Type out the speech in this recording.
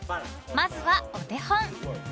［まずはお手本］